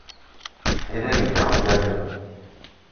Әйҙәгеҙ драмтеатрға